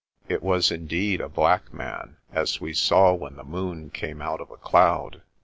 It was indeed a black man, as we saw when the moon came out of a cloud.